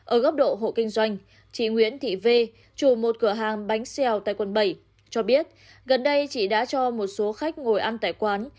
ở góc độ hộ kinh doanh chị nguyễn thị vù một cửa hàng bánh xèo tại quận bảy cho biết gần đây chị đã cho một số khách ngồi ăn tại quán